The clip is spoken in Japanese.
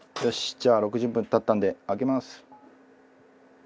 じゃあ６０分経ったんで開けます。